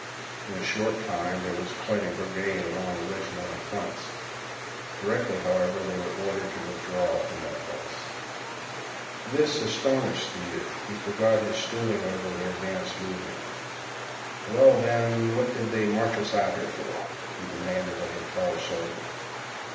In a short time there was quite a barricade along the regimental fronts. Directly, however, they were ordered to withdraw from that place. This astounded the youth. He forgot his stewing over the advance movement. "Well, then, what did they march us out here for?" he demanded of the tall soldier.